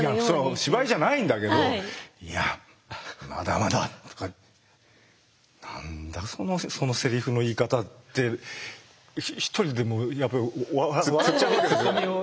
芝居じゃないんだけど「いやまだまだ」とか「何だそのセリフの言い方」って一人でもやっぱり笑っちゃうわけですよ。